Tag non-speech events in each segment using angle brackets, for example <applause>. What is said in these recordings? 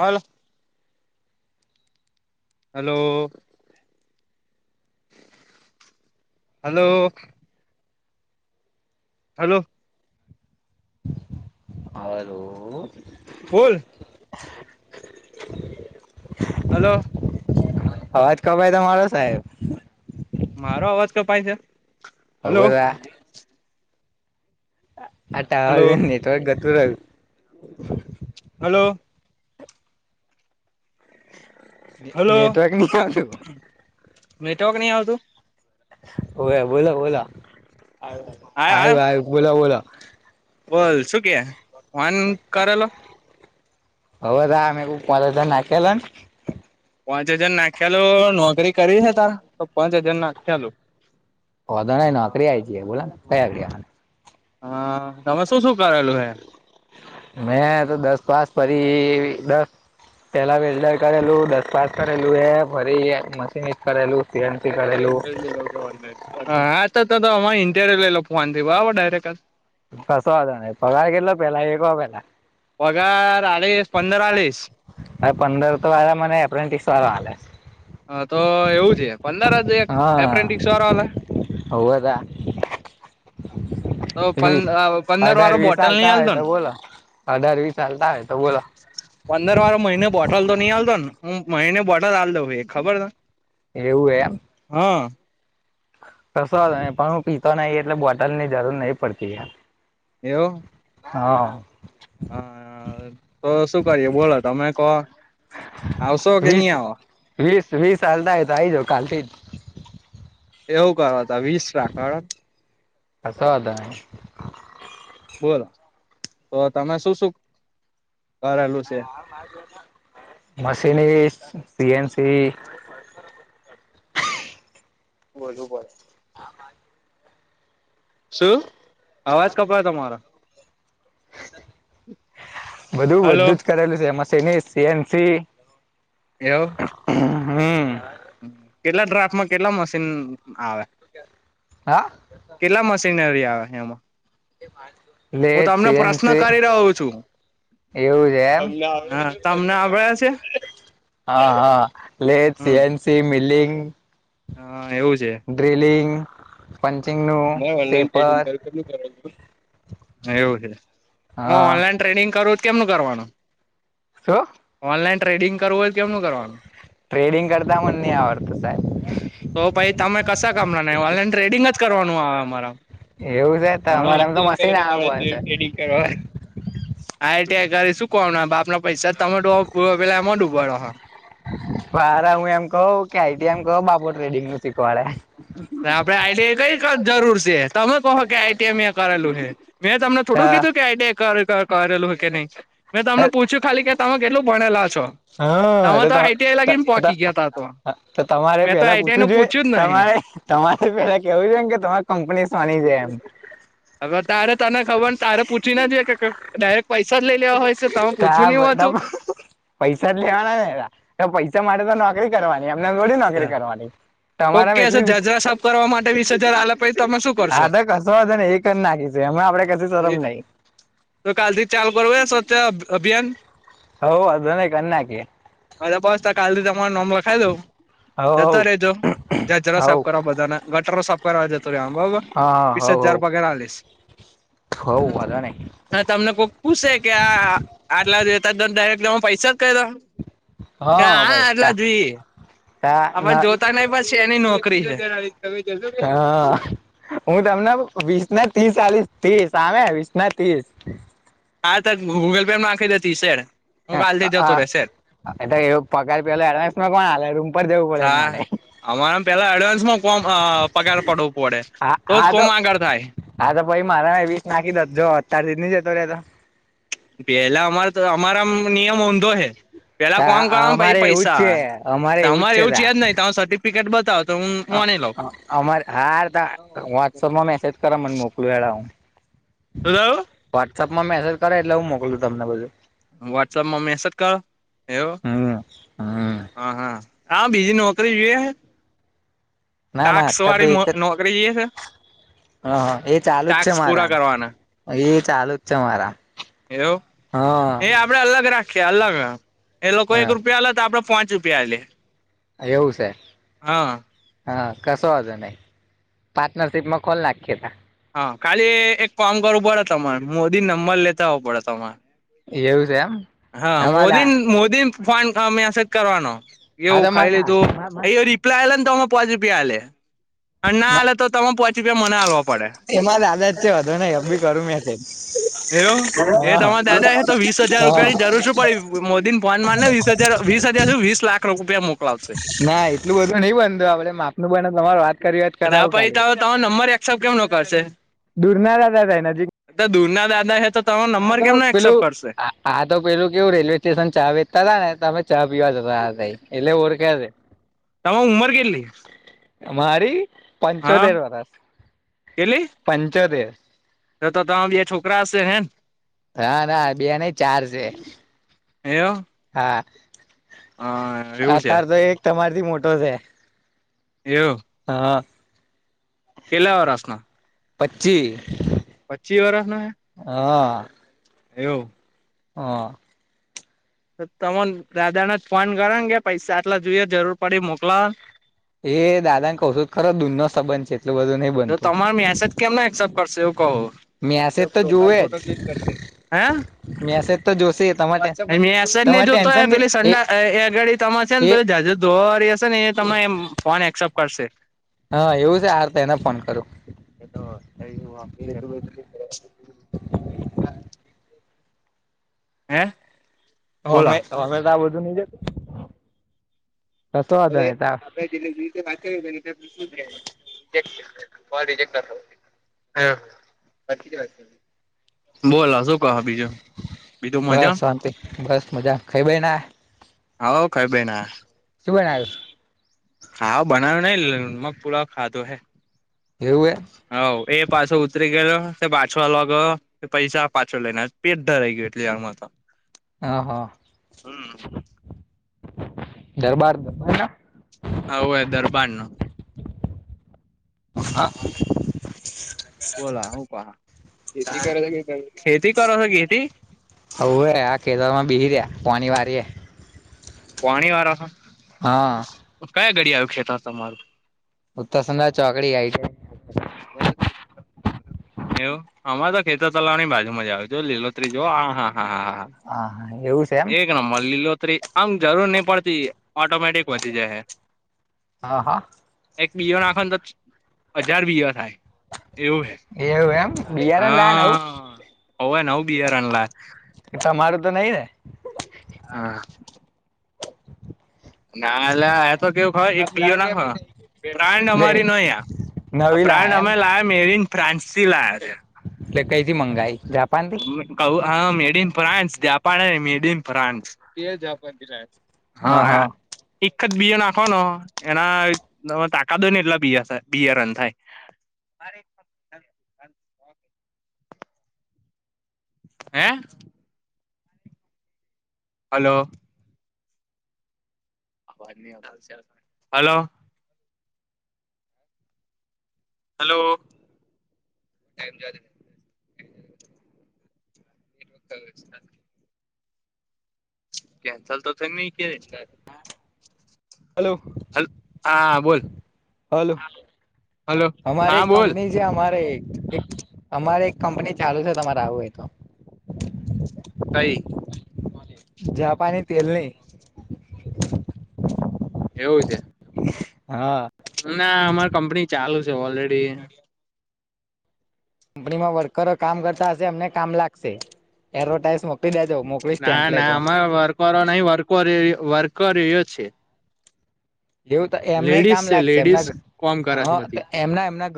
હલ hello hello hello hello બોલ <inaudible> hello અવાજ કપાઈ તમારો સાહેબ મારો અવાજ કપાય છે. હલો હવદા આ હલો ટાવર નેટવર્ક જતુરાયુ- હલો હલો નેટવર્ક નહી આવતું મેટ નહી આવતું. <unintelligible> ઓ બોલો બોલો આયો આયુ આયો આયુ બોલો બોલો બોલ શું કે ફોન ન કરલો હવે દા આમે કો કોંદ દ નાખલાને <unintelligible> પાંચ હજાર નાખી આલુ નોકરી કરી છે તારે તો પાંચ હજાર નાખી આલુ હો તો નઈ નોકરી આવી જએ બોલા ને <unintelligible> હા તમે શું શું કરેલું હે મેં તો દસ પાસ ફરી દસ પેલા વેજડર કરેલું દસ પાસ કરેલું એ ફરી મશીન કરેલું શંત કળલ <unintelligible> હા તો અરે ઇન્ટર લઈ લો ફોનથી બરાબર ડાયરેક્ટ <unintelligible> કસો વાંધો નહીં પગાર કેટલો પેલા એકોપેલા પગાર એલિસ પંદર આલિસે અરે પંદર તો વાળા મને એપ્રેન્ટિક્સ વાળા હાલે હા તો એવું છે પંદર જ એક હપન્ટિકસ વાળા આલે વવેદ <unintelligible> તો પ વીસ પંદર અઢાર વાળો વીસ બોટલ નઈ હાલતા હોય હાલતો તો ને બોલો અઢાર વીસ હાલતા હોય તો બોલો પંદર વારો મહિને બોટલ તો નહી હાલતો ને હું મહિને બોટલ હાલ દઉ ખબરને એવું એમ હા કશો વાંધો નહિ હું પીતો નહી એટલે બોટલ ની જરૂર નહી પડતી યાર એવું હા હા તો શું કરીએ બોલો તમે કહો આવશો કે નહી વીસ આવો. વીસ વીસ હાલતા અઈ તો આઈ જવો કાલથી જ <unintelligible> એવું કરો તો વીસ રાખો હેંડ હસો હતા એમ <unintelligible> બોલો, તો તમે શું શું કરેલું છે? મશીનરી, સી એન સી બોલવું પડે હા, પાચ <inaudible> શું? અવાજ કપાય તમારો બધું હલો બધ્ધું જ કરેલું છે, એમાં સેને સી એન સી એવું, કેટલા ડ્રાફ્ટમાં કેટલા મશીન આવે? હા, કેટલા મશીનરી આવે એમાં? તે પાંચ દસ <inaudible> હું તમને પ્રશ્ન કરી રહ્યો છું. એવું છે. એમ તમને આવડે છે, હ, તમને આવડે છે. <unintelligible> હા, હા, સી હમ એન સી મિલિંગ હા, એવું છે. ડ્રલિંગ, પંચિંગનું, સેપર. એવું છે, આમાં હા ઓનલાઈન ટ્રેડિંગ કરવું ત કેમનું કરવાનું? શું ઓનલાઈન ટ્રેડિંગ કરવું ઓય કેમનું કરવાનું? ની આવડતું સાહેબ. તો ભાઈ તમે કશા કામના નઇ ઓનલાઈન ટ્રેડિંગ જ કરવાનું. હ, મારા એવું છે તો હ અમારે એમ તો જેવતી પેલી મશીન ત આવે પડે બંધ જીવતી. છે ટેડિગ કરવા આય, હા એતે અગર શું કોમના બાપનુ. પૈસા તમે તો પૂરો પેલા એમહો ડુંબાડો હો. હારા હું એમ કઉ કે આઈ ટી આઇ માં કયો બાપો ટ્રેડિંગનું શીખવાડે. ના આપડે આઈ ટી આઈ કઈક જરૂર શે તમે કહો કે આઈ ટી આઈ મે કરેલું હે. મેં તમને થોડું કીધું કે આઈ ટી આઈ કર કર કરેલું કે નહી, મેં તમને પૂછ્યું ખાલી કે તમે કેટલું ભણેલા છો, તમે તો હા આઈ ટી આઈ લગીન પોચી ગીયા તા તો. તો તમારે મેં તો પેલા આઈ ટી આઈ પૂછવું નું જોઈએ પૂછ્યું જ નહી. તમારે તમારે પેલા કેવું જોયે ને કે તમારે કંપની સાની છે એમ. હવે તારે તને ખબરને તારે પૂછીને જે કે ક ક ડાયરેક્ટ પૈસા જ લે લેવા હોય. છે તમે કા પૂછ્યું નહી બતમ. હોતું પૈસા જ લેવાના અલા તો પૈસા માટે તો નોકરી કરવાની એમને એમ થોડી નોકરી કરવાની. ઓકે, તમારામાં એટલી જાજારા સાફ કરવા માટે વીસ હજાર આલે પહી તમે શું કરશો? કર નાખીશું એમા આપણે કશું શરમ નઈ. તો કાલથી ચાલું કરવું હે સ્વચ્છતા અભ અભિયાન હવ વાંધો નઈ કરી નાખીએ હાલ પાચ ટકા કાલથી તમારું નોમ લખાવી દઉ. હવ જતા રેજો જાજારા હવ સાફ હવ કરવા બધાના ગટરો સાફ કરવા જતું રેવાનું, બરોબર હા વીસ હવ હજાર હવ પગાર હાલીસ હવ વાંધો નઈ હ, તમને કોક પૂશે કે આ. આટલા જોઈતા ત ડાયરેક્ટ તમે પૈસા જ કહી દો કે હા, ભાઈ તા આટલા જોઈએ. તા હ, ન પણ જોતા નઈ બસ સેની નોકરી હે. હ, હું તમને વીસના તીસ હાલીસ તીસ આવે વીસના તીસ હા, તો ગૂગલ પે માં નાખી દે તીસ સે. આ અ આ અ એ તો એવું પગાર પેલા એડવાન્સમાં કોણ હાલે રૂમ પર જવું પડે એન માટે અમારેમાં પેલા એડવાન્સમાં કોમ અ પગાર પડવો પડે હા તોજ હા તો કોમા આગળ થાય. હા, તો પહી મારામાં વીસ નાખી દેત જો તારી રીત ની જતો વેલા. પેલા અમારે તો, અમારામાં નિયમ ઊંધો હે. પેલા તા ફોન કરવા પઈ અમારે એવું જ પૈસા છે આવે અમારે તમારે એવું છે, જ નઈ તમે સર્ટિફિકેટ બતાવો. તો હું હા માની લઉં હા અમારે હારતા વોટ્સઅપમાં મેસેજ કરો મને મોકલું એ લાહું. હલો. વોટ્સપમાં મેસેજ કરો એટલે હું મોકલું તમને બધું. વોટસઅપ માં મેસેજ કરો એવું, હમ હમ હા હા. હા બિજી નોકરી જો હે. ના, ના અતાર તો એક જ. નોકરી જોઈએ છે હ હ એ ચાલુજ છે, ટાસ્ક પૂરા મારા કરવાના એ ચાલુજ છે મારા એવું હા એ આપડે અલગ રાખી. કે અલગ હ એ લોકો એક રૂપિયા આલે તો આપડે પાંચ રૂપિયા આલીયે. એવું છે. હા, કશો વાંધો નહીં પાર્ટનરશિપમાં ખોલ નાખી, તા. હા, ખાલી એક કામ કરવું પડે તમારે મોદી નંબર લેતા આવો પડે તમારે. એવું છે, એમ. હા એમાં મોદી દા મોદી ફોન કા મેસેજ કરવાનો હા એવું તો ખાઈ મારા લીધું. પ્લાને તો પોચ રુપિયા આલે અનેના આલે તો તમે પોચ રુપિયા મને હાલવા પડે. એમાં આદત છે, વાંધોને એમ ભી કરું મેંસેજ. એવું એ તમાર દાદા એતો વીસ હજાર હા રૂપિયાની જરૂર શું પડીયુ. મોદી ન ફોન મારન વીસહજાર, વીસહજાર હુ વીસલાખ રૂપિયા મોકલાવશે. ના, એટલું બધું નઈ બનતું આપડે માપનું બને તમારે વાત કરી વાત કરાવું જાપાઈ ખાલી ત્રણ-ત્રણ નંબર એકક્સઅપ કેમ નોકરશે. દુરના દાદા થાય નજીક તે દૂરના દાદા હે, તો તમારો નંબર કેમનો એક્સેપ્ટ કરશે. આતો પેલું કેવું રેલવે- સ્ટેશન ચા વેચતા તા, ને તમે ચા પીવા જતા તઈ એટલે ઓરખે છે. તમાર ઉંમર કેટલી? અમારી હા પંચોતેર વરસ કેટલી પંચોતેર. તો તો તમાર બે છોકરા હશે, હેન. નાના બે નહીં ચાર છે, એવ હા. હા અ એવું છે તારતો એક તમારથી મોટો છે. એવું. હા. કેટલા વરસનો. પચ્ચી. પચ્ચી વરહ નો હે, એવું. હા. તો તમોન દાદાન જ ફોન કરોન કે પૈસા આટલા જોઈએ, જરૂર પડી મોકલાવોન. એ દાદાન કહું સુત ખરો દૂરનો સંબંધ છે, એટલું બધું નહીં તો તમાર મેસેજ કેમનો એક્સેપ્ટ કરશે એવું કવું. તો મેસેજ પ્રોફાઈલ જોવે ફોટો ક્લીન કરશે હે. જ મેસેજ તો જોશે તમારે મેસજ નહીં તમારે જોતો ટેન્શન હોય નહી પેલી સંડા એ એગાડી તમાર છેન એ પેલું જાજુ ધોવાવાળી હશે નએ તમને એમ ફોન એક્સેપ્ટ કરશે. હા એવું છે, હારતો એને ફોન કરું. એ તો <unintelligible> હે. બોલો અમે અમે તોઆ બધું નઈ જતું કસો વાધો નઇ તો આપ પેલી વીસી બાકી રઈ જઈ નઈતર <unintelligible> કોલ રિજેક્ટ કર. હ બોલા શું કહા બીજું બીજું બસ મજામ. શાંતિ બસ મજા ખાઈબઈના હઉ ખઈબઈ ન આયા. શુ બનાયું. ખાવા બનાયુ નહી મગ પુલાવ ખાધો હે. એવુંહે. હઉ એ પાસો ઉતરી ગેલો તે પાછો આલવા ગયેલો. તે પૈસા પાછો લઈન આયો પેટ ધરઈ ગયું એટલી વારમાં તો. હ હા હમ દરબાર દરબના. અઉવે એ દરબાર ન. હા. બોલા હું કોહો ખેતી કરો હો કી <unintelligible> ખેતી કરો હો ખેતી. હોવે આ ખેતર માં બેહી રયા પોની વારી એ. પોણી વારો હો. હા. કયા ગડી આવ્યું ખેતર તમારું? ઉત્તરસંધા ચોકડી આઈ જાય. <unintelligible> એવું અમાર તો ખેતર તલાવની બાજુ મજા આયુ જો લીલોત્રી જો હા હા હા હા હા હા. હા હા એવું છે એમ એક નંબર લીલોત્રી આમ જરૂર નહી પડતી ઓટોમેટિક વધી જાય હ. હા એક બિયો નાખો તો હજાર બીયો થાય એવું હે એવ એમ? બિયારણ લાયા નવું હા હવે નવ બીયારનલા એટલે તમારું તો નહી ને? હા ના લ એ તો કેવું હ એક બીજો ના હ પ્રાંડ લે અમારી ન આ નવી પ્રાંડ લાયા એમ અમે લ મેરીન ફ્રાન્સ થી લાયા. એટલે કઈથી મંગાઈ જાપાન થી? ક હા made in France Japan made in France Japan થી લાયા હ હ હા. એક જ બિયો નાખવનો એના તાકાત હોય ને એટલા બ બયા રન થાય અરે હે? Hello hello. હલો <unintelligible> <unintelligible> હલો હલ્ હા બોલ હલો હલો હમારે હા એક બોલ કંપની અમારે અમારે એક કંપની ચાલુ છે તમારે આવું એ તો કઈ? જાપાની તેલની એવું છે? હા ના અમાર કંપની ચાલુ છે ઓલરેડી કંપનીમાં વર્કરો કામ કરતા હશે એમને કામ લાગશે એડવર્ટાઈઝ મોકલી દેજો મો ના ના અમારે વર્ક નહી વક વર્ક રહ્યો છે. એવું તો એમને લેડીઝ કામ છે લાગશે એમના લેડીઝ કોમ કરે છે હ બધી એમના એમના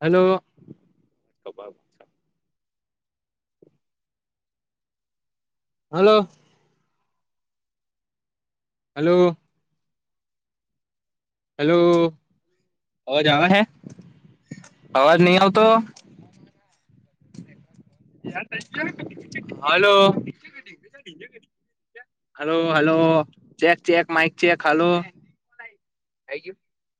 હેલો હાલો હલો હેલો અવાજ આવે હૈ? અવાજ નહી આવતો? Hello hello hello check check mic check hello જ <unintelligible>